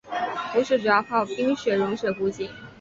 湖水主要靠冰雪融水补给。